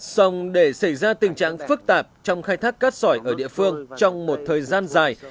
xong để xảy ra tình trạng phức tạp trong khai thác cát sỏi ở địa phương trong một thời gian dài